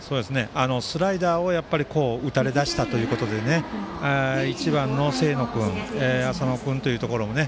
スライダーを打たれだしたということで１番、清野君そして浅野君というところでね。